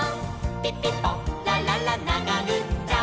「ピピポラララながぐっちゃん！！」